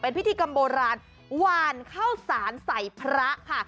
พิธีกรรมโบราณหวานข้าวสารใส่พระค่ะ